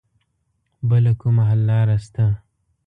بله کومه حل لاره شته